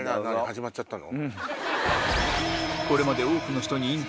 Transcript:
始まっちゃったの？